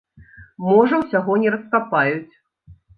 Можа ўсяго не раскапаюць.